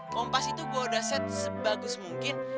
kompas itu gue udah set sebagus mungkin